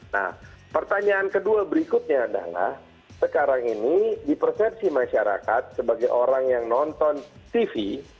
nah pertanyaan kedua berikutnya adalah sekarang ini di persepsi masyarakat sebagai orang yang nonton tv